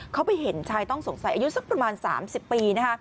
เขาไปเห็นชายต้องสงสัยอายุสักประมาณ๓๐ปีนะคะ